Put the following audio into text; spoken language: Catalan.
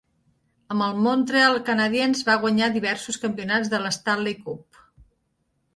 Amb els Montreal Canadiens, va guanyar diversos campionats de l"Stanley Cup.